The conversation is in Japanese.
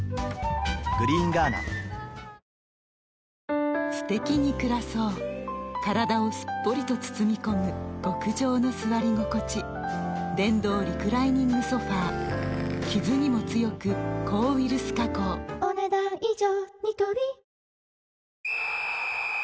わかるぞすてきに暮らそう体をすっぽりと包み込む極上の座り心地電動リクライニングソファ傷にも強く抗ウイルス加工お、ねだん以上。